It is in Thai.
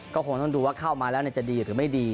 ก็คงต้องดูว่าเข้ามาแล้วจะดีหรือไม่ดี